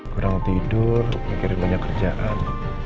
kurang tidur mikirin banyak kerjaan